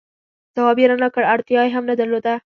ځواب یې را نه کړ، اړتیا یې هم نه درلوده.